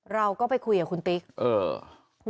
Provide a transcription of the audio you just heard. เราก็ไปคุยกับคุณติ๊กเออ